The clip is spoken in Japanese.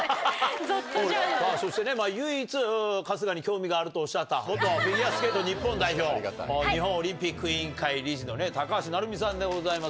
そしてね。とおっしゃった元フィギュアスケート日本代表日本オリンピック委員会理事の高橋成美さんでございます